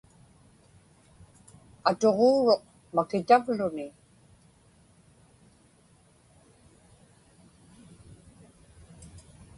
Atuġuuruq makitavluni.